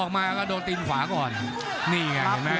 ภูตวรรณสิทธิ์บุญมีน้ำเงิน